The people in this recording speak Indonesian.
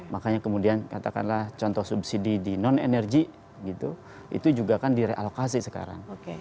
makanya kemudian katakanlah contoh subsidi di non energy gitu itu juga kan direalokasi sekarang